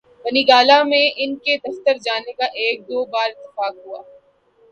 بنی گالہ میں ان کے دفتر جانے کا ایک دو بار اتفاق ہوا۔